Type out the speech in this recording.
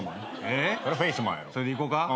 それでいこうか？